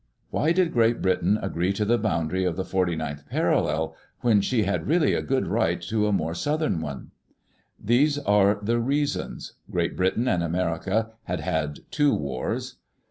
Why did Great Britain agree to the boundary of the forty ninth parallel, when she had really a good ri^t to a more southern one? These are the reasons: Great Britain and America had had two wars.